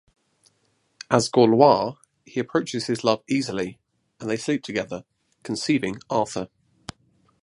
As Gorlois, he approaches his love easily and they sleep together, conceiving Arthur.